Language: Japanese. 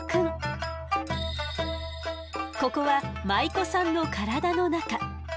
ここは舞妓さんの体の中。